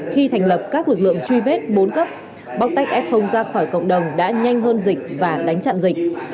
khi thành lập các lực lượng truy vết bốn cấp bóc tách f ra khỏi cộng đồng đã nhanh hơn dịch và đánh chặn dịch